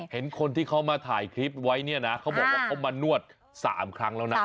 เห็นคนที่เขามาถ่ายคลิปไว้เนี่ยนะเขาบอกว่าเขามานวด๓ครั้งแล้วนะ